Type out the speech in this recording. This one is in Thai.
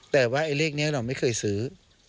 แต่ว่าเลขนี้เราไม่เคยซื้อ